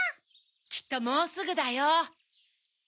きっともうすぐだよ。